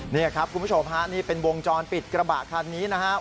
นี่ครับคุณผู้ชมฮะนี่เป็นวงจรปิดกระบะคันนี้นะครับ